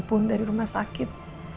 pun dari rumah sakit